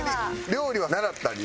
料理は習ったり？